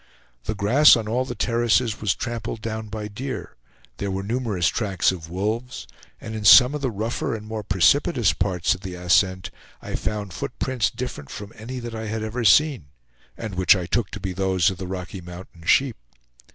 The grass on all the terraces was trampled down by deer; there were numerous tracks of wolves, and in some of the rougher and more precipitous parts of the ascent, I found foot prints different from any that I had ever seen, and which I took to be those of the Rocky Mountain sheep.